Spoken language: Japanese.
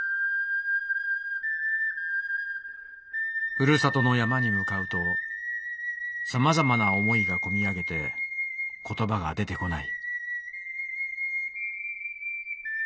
「ふるさとの山に向かうとさまざまな思いがこみ上げてことばが出てこない」。